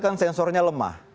kan sensornya lemah